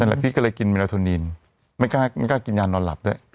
แหละพี่ก็เลยกินเมลาโทนินไม่กล้ากินยานอนหลับด้วย